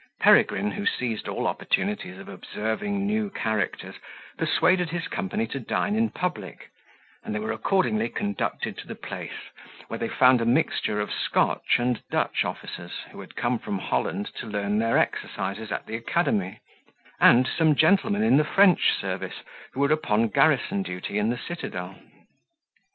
Peregrine, who seized all opportunities of observing new characters, persuaded his company to dine in public; and they were accordingly conducted to the place, where they found a mixture of Scotch and Dutch officers, who had come from Holland to learn their exercises at the academy, and some gentlemen in the French service, who were upon garrison duty in the citadel.